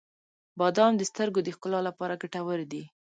• بادام د سترګو د ښکلا لپاره ګټور دي.